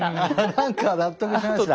何か納得しました。